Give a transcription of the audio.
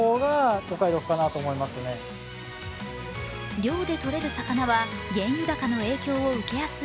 漁で取れる魚は原油高の影響を受けやすい